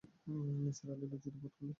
নিসার আলি লজ্জিত বোধ করলেন।